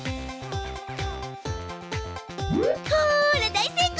ほら大成功！